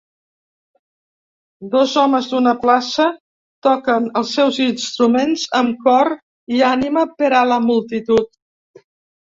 Dos homes d'una plaça toquen els seus instruments amb cor i ànima per a la multitud.